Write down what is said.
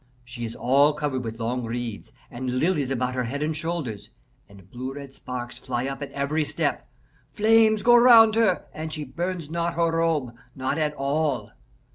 She is all covered with long reeds and lilies about her head and shoulders, and blue red sparks fly up at every step. Flames go round her, and she burns not her robe not at all.